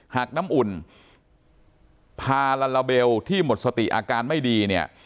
หากน้ำอุ่นพาลาลาเบลที่หมดสติอาการไม่ดีเนี่ย